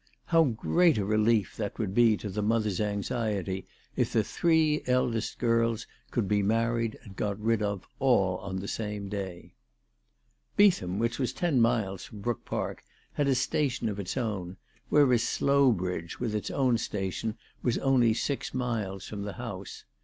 How great a relief that would be to the mother's anxiety if the three eldest girls could be married and got rid of all on the same day ! Beetham, which was ten miles from Brook Park, had a station of its own, whereas Slowbridge with its own station was only six miles from the house.